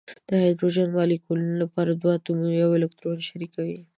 د هایدروجن مالیکول لپاره دوه اتومونه یو الکترون شریکوي.